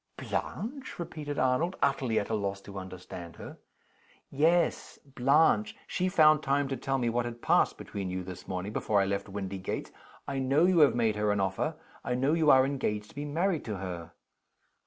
"Blanche?" repeated Arnold, utterly at a loss to understand her. "Yes Blanche. She found time to tell me what had passed between you this morning before I left Windygates. I know you have made her an offer: I know you are engaged to be married to her."